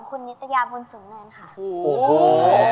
คุณนิตยาบุญสูงเนินค่ะ